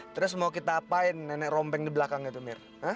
terus mau kita apain nenek rompeng di belakang itu mir